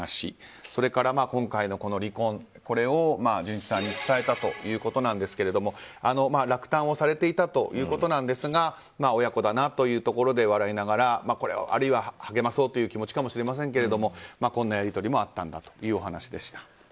それから、今回の離婚を純一さんに伝えたということですが落胆をされていたということですが親子だなというところで笑いながら、これはあるいは励まそうという気持ちかもしれませんけどこんなやり取りもあったんだというお話でした。